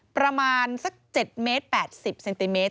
ประมาณสัก๗เมตร๘๐เซนติเมตร